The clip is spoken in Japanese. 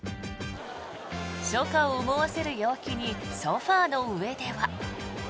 初夏を思わせる陽気にソファの上では。